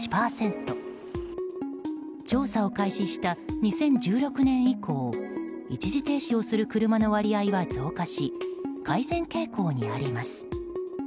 調査を開始した２０１６年以降一時停止をする車の割合は増加し改善傾向にあります。